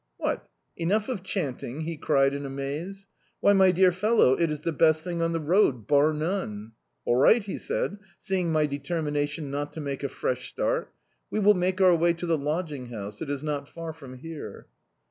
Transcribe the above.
"What, enough of chanting?" he cried in amaze. "Why, my dear fellow, it is the best thing on the road, bar nwie. All right," he said, seeing my de terminaticsi not to make a fresh start, "we will make our way to the lodging house; it is not far from here."